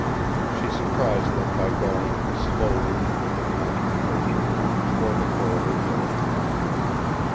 She surprised them by going, slowly and with apparent composure, toward the corridor door.